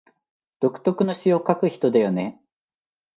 独特の詩を書く人だよね